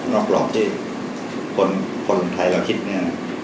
กรอบที่คนไทยเราคิดเนี่ย